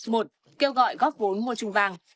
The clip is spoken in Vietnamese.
một kêu gọi góp vốn mua trùng vàng